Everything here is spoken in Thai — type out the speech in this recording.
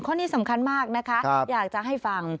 ข้อนี้สำคัญมากนะคะอยากจะให้ฟัง